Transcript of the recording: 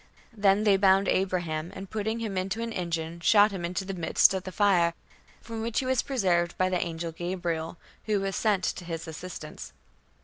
"Then they bound Abraham, and putting him into an engine, shot him into the midst of the fire, from which he was preserved by the angel Gabriel, who was sent to his assistance."